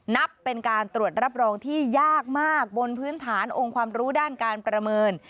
นับเป็นการตรวจรับรองที่ยากมากบนพื้นฐานองค์ความรู้ด้านการประเมิน